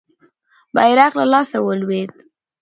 بیرغ له لاسه ولوېد.